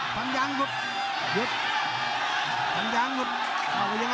หยุดฟันยางหนุดอ้าวเป็นยังไง